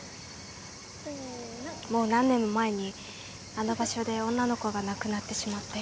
もう何年も前にあの場所で女の子が亡くなってしまって。